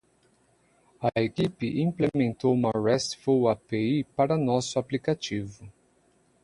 A equipe implementou uma RESTful API para nosso aplicativo.